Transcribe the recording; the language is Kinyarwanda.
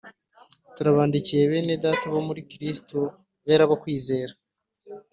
turabandikiye bene Data bo muri Kristo bera bo kwizerwa